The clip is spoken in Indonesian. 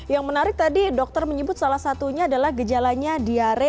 yang menarik tadi dokter menyebut salah satunya adalah gejalanya diare